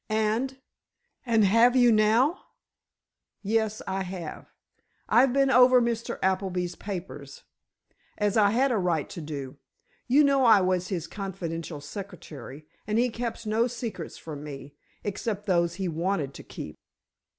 "And—and have you now?" "Yes, I have. I've been over Mr. Appleby's papers—as I had a right to do. You know I was his confidential secretary, and he kept no secrets from me—except those he wanted to keep!"